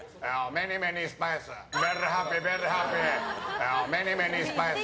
メニメニスパイス。